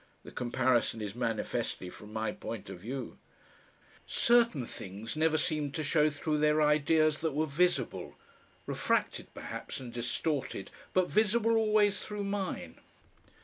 (The comparison is manifestly from my point of view.) Certain things never seemed to show through their ideas that were visible, refracted perhaps and distorted, but visible always through mine.